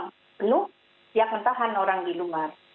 yang penuh dia mentahan orang di luar